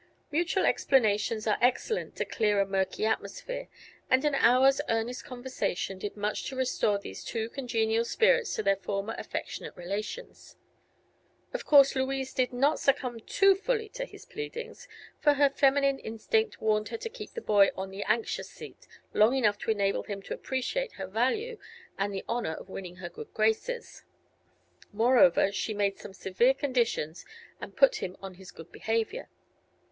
Mutual explanations are excellent to clear a murky atmosphere, and an hour's earnest conversation did much to restore these two congenial spirits to their former affectionate relations. Of course Louise did not succumb too fully to his pleadings, for her feminine instinct warned her to keep the boy on "the anxious seat" long enough to enable him to appreciate her value and the honor of winning her good graces. Moreover, she made some severe conditions and put him on his good behavior.